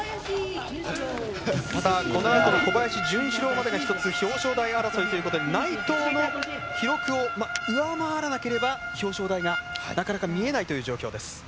このあと小林潤志郎までが一つ、表彰台争いということで内藤の記録を上回らなければ表彰台がなかなか見えないという状況です。